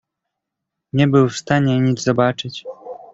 "Nie był w stanie nic zobaczyć."